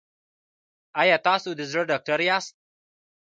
ایا تاسو د زړه ډاکټر یاست؟